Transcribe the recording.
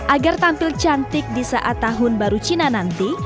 agar tampil cantik di saat tahun baru cina nanti